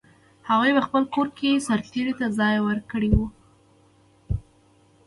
هغوی په خپل کور کې سرتېرو ته ځای ورکړی و.